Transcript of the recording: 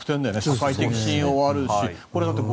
社会的信用があるし。